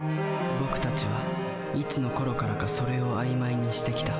僕たちはいつのころからか「それ」を曖昧にしてきた。